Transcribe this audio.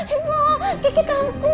ibu kaget aku